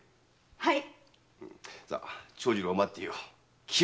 はい！